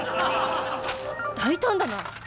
大胆だな！